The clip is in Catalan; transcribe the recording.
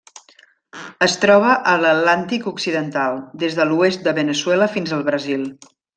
Es troba a l'Atlàntic occidental: des de l'oest de Veneçuela fins al Brasil.